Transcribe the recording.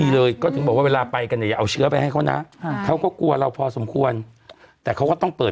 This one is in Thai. ที่เลยก็จะบอกว่าเวลาไปกันสิเอาเชื้อด้วยเขานะเขาก็กลัวเราพอสมควรแต่เขาก็ต้องเปิด